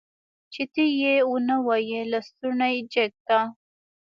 چې ته يې ونه وايي لستوڼی جګ که.